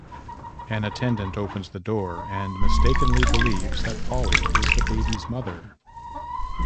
An attendant opens the door and mistakenly believes that Polly is the baby's mother.